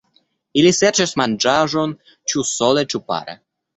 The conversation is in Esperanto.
Ili serĉas manĝaĵon ĉu sole ĉu pare.